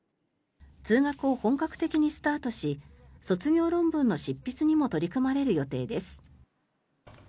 通学を本格的にスタートし卒業論文の執筆にも取り組まれる予定です。